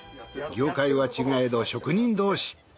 業界は違えど職人同士。